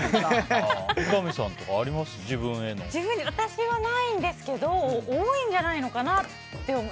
私はないんですけど多いんじゃないのかなって。